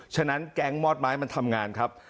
ฉะนั้นแก๊งมอดไม้มันทำงานครับ